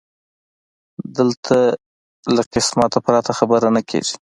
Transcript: دلته له قسمه پرته خبره نه کېږي